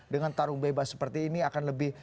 dengan tarung bebas seperti ini akan lebih